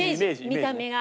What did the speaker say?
見た目が。